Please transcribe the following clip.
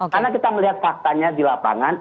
karena kita melihat faktanya di lapangan